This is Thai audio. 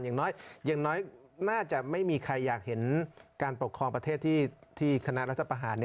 อย่างน้อยอย่างน้อยน่าจะไม่มีใครอยากเห็นการปกครองประเทศที่คณะรัฐประหาร